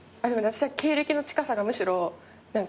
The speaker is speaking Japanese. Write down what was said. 私は経歴の近さがむしろ。